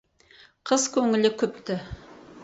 Қыз көңілі күпті.